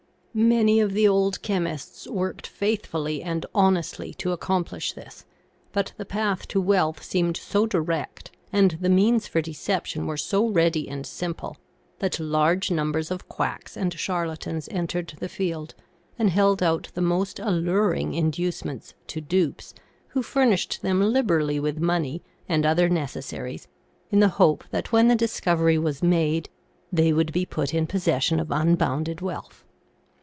Many of the old chemists worked faith fully and honestly to accomplish this, but the path to wealth seemed so direct and the means for deception were so ready and simple, that large numbers of quacks and charla tans entered the field and held out the most alluring induce ments to dupes who furnished them liberally with money and other necessaries in the hope that when the discovery was made they would be put in possession of unbounded wealth.